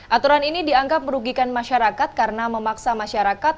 aturan ini dianggap merugikan masyarakat karena memaksa masyarakat